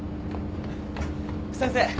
先生！